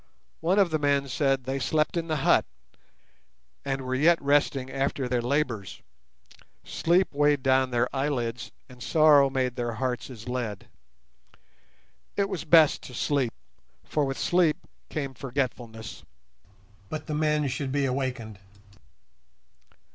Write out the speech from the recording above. One of the men said they slept in the hut, and were yet resting after their labours—"sleep weighed down their eyelids, and sorrow made their hearts as lead: it was best to sleep, for with sleep came forgetfulness. But the men should be awakened."